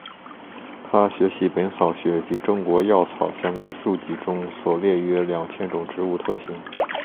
他学习本草学及中国药草相关书籍中所列约两千种植物特性。